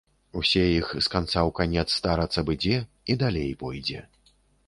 Усе іх з канца ў канец старац абыдзе і далей пойдзе.